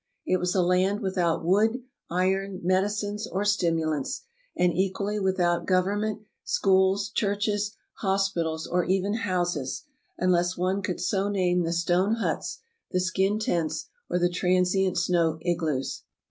It was a land with out wood, iron, medicines, or stimulants, and equally without government, schools, churches, hospitals, or even houses — unless one could so name the stone huts, the skin tents, or the transient snow igloos.